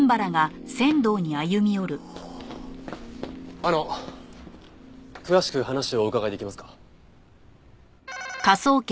あの詳しく話をお伺いできますか？